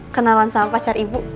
kenalan sama pacar ibu